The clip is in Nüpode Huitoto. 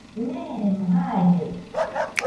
Neeremo jaide.